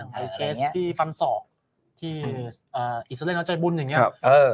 อย่างในเคสที่ฟันศอกที่อิสระเล็กแล้วใจบุญอย่างนี้